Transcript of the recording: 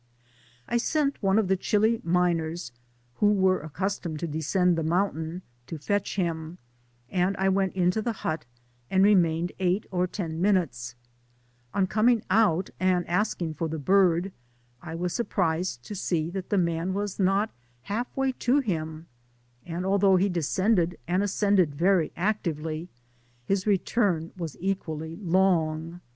I sent one of the Chili miners, who were accus tomed to descend the mountain, to fetch him, and I went into the hut, and remained eight or ten Digitized byGoogk GOLD MINfi OF CAREN. S13 minutes. On coming out, and asking for the bird, I was surprised to see that the man was not half way to him; and although he descended and ascended very actively, his return was equally long.